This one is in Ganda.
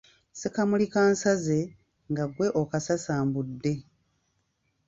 Ssekamuli kansaze, nga ggwe okasasambudde.